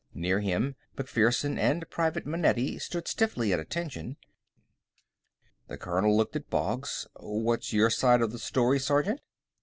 Near him, MacPherson and Private Manetti stood stiffly at attention. The colonel looked at Boggs. "What's your side of the story, Sergeant?"